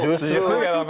justru ya bang ferry